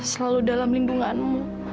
selalu dalam lingkunganmu